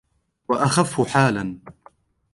وَأَخَفُّ حَالًا